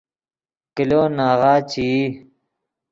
کلو ناغہ چے ای